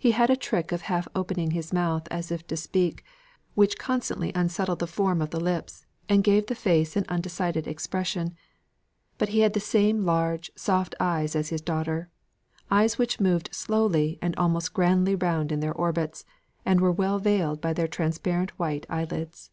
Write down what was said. He had a trick of half opening his mouth as if to speak, which constantly unsettled the form of the lips, and gave the face an undecided expression. But he had the same large, soft eyes as his daughter, eyes which moved slowly and almost grandly round in their orbits, and were well veiled by their transparent white eyelids.